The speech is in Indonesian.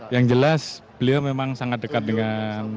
yang jelas beliau memang sangat dekat dengan